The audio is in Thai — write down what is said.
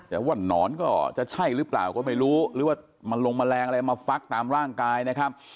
แต่ว่าหนอนก็จะใช่หรือเปล่าก็ไม่รู้หรือว่ามันลงแมลงอะไรมาฟักตามร่างกายนะครับ